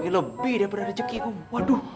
lebih daripada rezeki agung